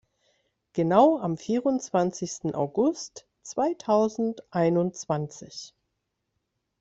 Genau am vierundzwanzigsten August zweitausendeinundzwanzig.